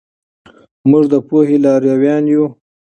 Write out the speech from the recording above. موږ د پوهې لارویان یو.